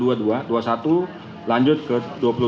jadi peristiwa ini selalu